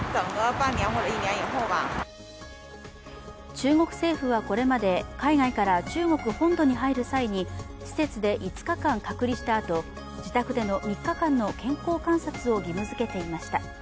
中国政府はこれまで海外から中国本土に入る際に施設で５日間隔離したあと自宅での３日間の健康観察を義務付けていました。